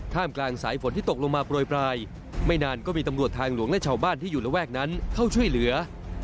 กลางสายฝนที่ตกลงมาโปรยปลายไม่นานก็มีตำรวจทางหลวงและชาวบ้านที่อยู่ระแวกนั้นเข้าช่วยเหลือ